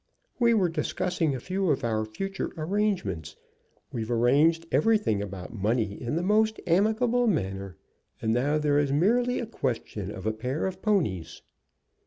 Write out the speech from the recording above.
"We were discussing a few of our future arrangements. We've arranged everything about money in the most amicable manner, and now there is merely a question of a pair of ponies."